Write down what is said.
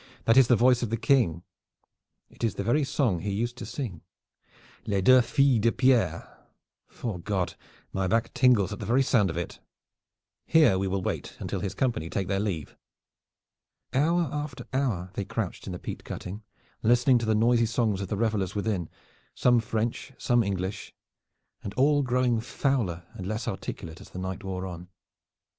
"That is the voice of the King. It is the very song he used to sing. 'Les deux filles de Pierre.' 'Fore God, my back tingles at the very sound of it. Here we will wait until his company take their leave." Hour after hour they crouched in the peat cutting, listening to the noisy songs of the revelers within, some French, some English, and all growing fouler and less articulate as the night wore on.